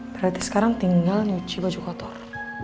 berarti sekarang tinggal nyuci baju kotor